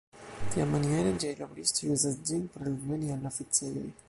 Tiamaniere ĝiaj laboristoj uzas ĝin por alveni al la oficejoj.